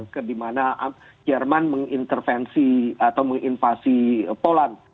ke dimana jerman mengintervensi atau menginvasi polan